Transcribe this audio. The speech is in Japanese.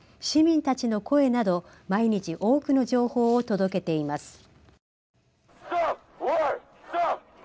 市民たちの声など毎日多くの情報を届けています。